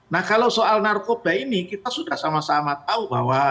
nah kalau soal narkoba ini kita sudah sama sama tahu bahwa narkotika ini adalah